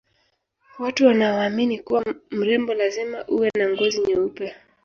watu wanaoamini kuwa mrembo lazima uwe na ngozi nyeupe